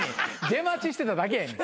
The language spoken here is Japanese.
出待ちしてただけやん。